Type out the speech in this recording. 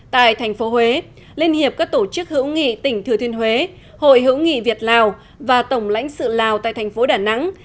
tại thành phố huế liên hiệp các tổ chức hữu nghị tỉnh thừa thiên huế hội hữu nghị việt lào và tổng lãnh sự lào tại thành phố đà nẵng